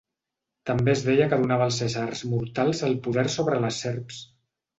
També es deia que donava als éssers mortals el poder sobre les serps.